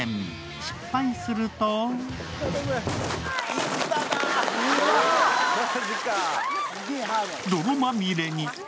失敗すると泥まみれに。